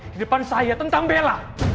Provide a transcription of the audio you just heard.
di depan saya tentang bella